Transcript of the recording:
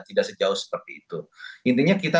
tidak sejauh seperti itu intinya kita